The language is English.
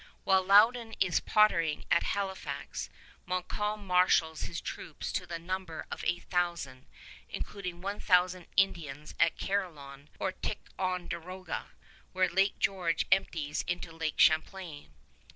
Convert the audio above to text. While Loudon is pottering at Halifax, Montcalm marshals his troops to the number of eight thousand, including one thousand Indians at Carillon or Ticonderoga, where Lake George empties into Lake Champlain.